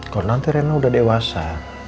kalau nanti rena udah dewasa